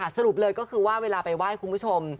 สรุปเลยก็คือว่าเวลาไปไหว้คุณผู้ชม